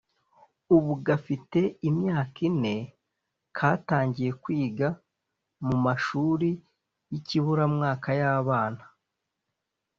ubu gafite imyaka ine katangiye kwiga mu mashuri y’ikiburamwaka y’abana